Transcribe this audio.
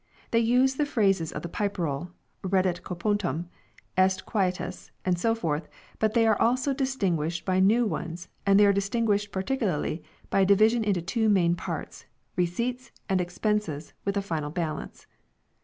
They use the phrases of the Pipe Roll " reddit compotum," " est quietus," and so forth : but they are also distinguished by new ones and they are distinguished particularly by a division into two main parts Receipts and Ex penses with a final balance.